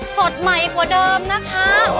สดใหม่กว่าเดิมนะคะ